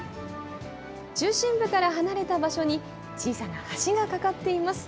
中心部から離れた場所に、小さな橋が架かっています。